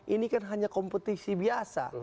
ini kan hanya kompetisi biasa